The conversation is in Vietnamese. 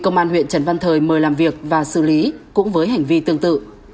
công an huyện trần văn thời mời làm việc và xử lý cũng với hành vi tương tự